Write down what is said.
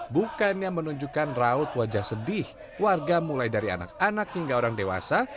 bukannya menunjukkan raut wajah sedih warga mulai dari anak anak hingga orang dewasa